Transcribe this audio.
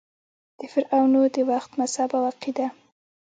د فرعنوو د وخت مذهب او عقیده :